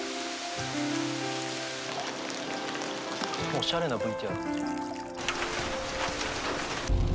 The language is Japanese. おしゃれなＶＴＲ。